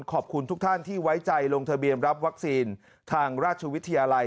ขอบคุณทุกท่านที่ไว้ใจลงทะเบียนรับวัคซีนทางราชวิทยาลัย